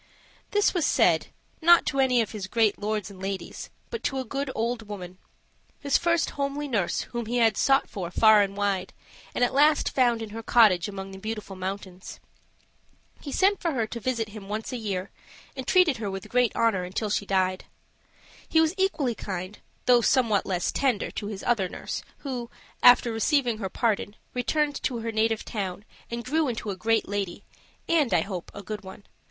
This was said, not to any of his great lords and ladies, but to a good old woman his first homely nurse whom he had sought for far and wide, and at last found in her cottage among the Beautiful Mountains. He sent for her to visit him once a year, and treated her with great honor until she died. He was equally kind, though somewhat less tender, to his other nurse, who, after receiving her pardon, returned to her native town and grew into a great lady, and I hope a good one.